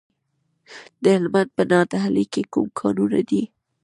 د هلمند په نادعلي کې کوم کانونه دي؟